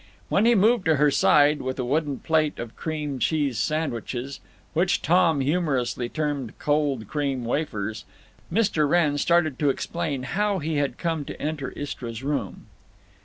When he moved to her side with a wooden plate of cream cheese sandwiches (which Tom humorously termed "cold cream wafers") Mr. Wrenn started to explain how he had come to enter Istra's room.